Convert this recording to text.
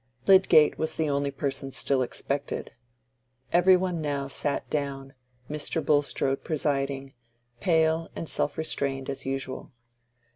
Lydgate was the only person still expected. Every one now sat down, Mr. Bulstrode presiding, pale and self restrained as usual.